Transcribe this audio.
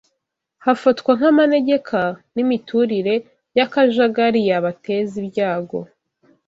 hafatwa nk’amanegeka n’imiturire y’akajagari yabateza ibyago